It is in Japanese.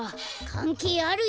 かんけいあるよ。